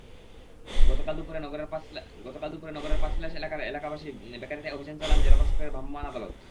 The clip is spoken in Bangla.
গতকাল দুপুরে নগরের পাঁচলাইশ এলাকার প্রবাসী বেকারিতে অভিযান চালান জেলা প্রশাসনের ভ্রাম্যমাণ আদালত।